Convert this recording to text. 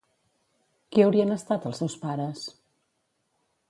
Qui haurien estat els seus pares?